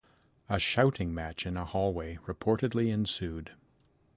A shouting match in a hallway reportedly ensued.